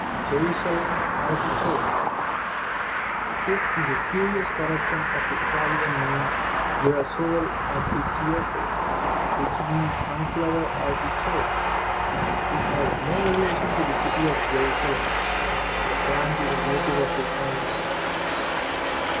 JERUSALEM ARTICHOKE. This is a curious corruption of the Italian name, girasole articiocco, which means sunflower artichoke. It has no relation to the city of Jerusalem. The plant is a native of this continent.